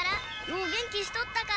「よお元気しとったか」